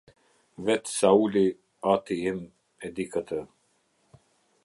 Vetë Sauli, ati im, e di këtë".